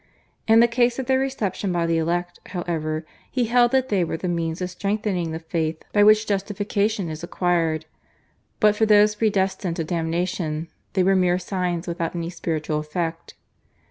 In the case of their reception by the elect, however, he held that they were the means of strengthening the faith by which justification is acquired, but for those predestined to damnation they were mere signs without any spiritual effect.